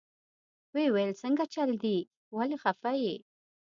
ويې ويل سنګه چل دې ولې خفه يې.